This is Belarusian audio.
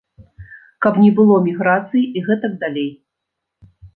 Каб не было міграцыі і гэтак далей.